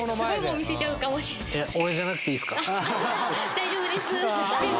大丈夫です